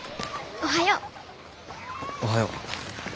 おはよう。